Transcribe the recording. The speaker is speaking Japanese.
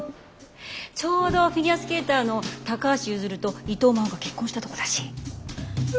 ちょうどフィギュアスケーターの高橋結弦と伊藤真央が結婚したとこだし。